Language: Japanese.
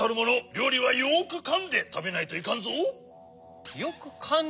りょうりはよくかんでたべないといかんぞ。